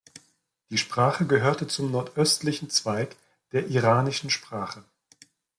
Die Sprache gehörte zum nordöstlichen Zweig der iranischen Sprachen.